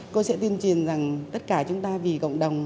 cô sẽ tiên truyền rằng tất cả chúng ta vì cộng đồng